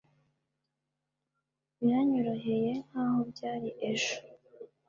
biranyoroheye nkaho byari ejo